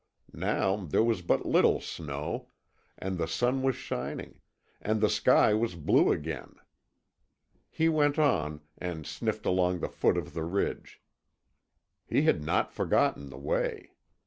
Now there was but little snow, and the sun was shining, and the sky was blue again. He went on, and sniffed along the foot of the ridge; he had not forgotten the way.